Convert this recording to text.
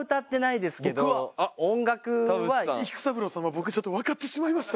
僕ちょっとわかってしまいました。